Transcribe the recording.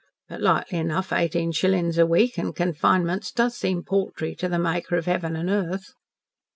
But likely enough, eighteen shillin' a week an' confinements does seem paltry to the Maker of 'eaven an' earth."